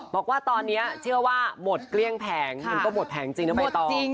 บอกว่าตอนนี้เชื่อว่าหมดเกลี้ยงแผงมันก็หมดแผงจริงนะใบตอง